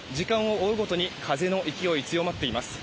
時間を追うごとに風の勢いが強まっています。